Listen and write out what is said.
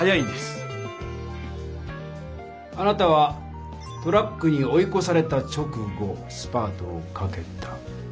あなたはトラックに追いこされた直後スパートをかけた。